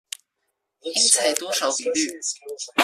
應採多少比率